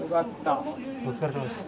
お疲れさまでした。